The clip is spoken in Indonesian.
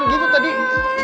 tidak bukan begitu